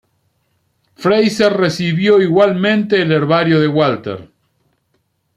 Fraser recibió igualmente el herbario de Walter.